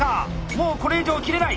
もうこれ以上切れない！